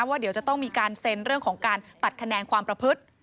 ว่าเดี๋ยวจะต้องมีการเซ็นเรื่องของการตัดคะแนนความประพฤติ